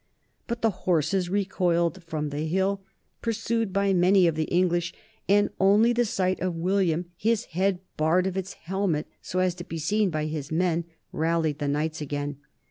But the horses recoiled from the hill, pursued by many of the English, and only the sight of William, his head bared of its helmet so as to be seen by his men, rallied the knights again.